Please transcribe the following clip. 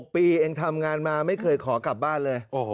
ปีเองทำงานมาไม่เคยขอกลับบ้านเลย